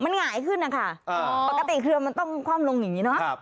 มันหงายขึ้นนะคะปกติเครือมันต้องคว่ำลงอย่างนี้เนาะ